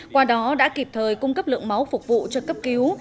qua đó đã kịp thời cung cấp lượng máu phục vụ cho cấp cứu